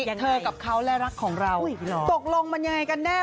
ยังไงเธอกับเขาและรักของเราอุ้ยหรอตกลงมันยังไงกันแน่